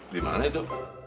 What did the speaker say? di mana itu